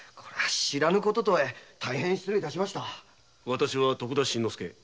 私は徳田新之助。